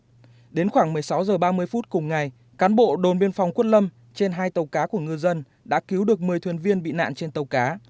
trước đến khoảng một mươi sáu h ba mươi phút cùng ngày cán bộ đồn biên phòng quất lâm trên hai tàu cá của ngư dân đã cứu được một mươi thuyền viên bị nạn trên tàu cá